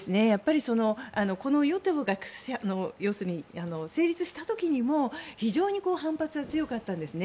この与党が成立した時にも非常に反発が強かったんですね。